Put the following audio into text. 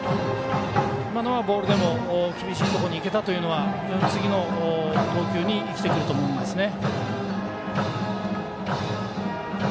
今のはボールでも厳しいところにいけたというのは非常に次の投球に生きてくると思うんですね。